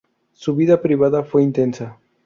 Su vida privada fue intensa.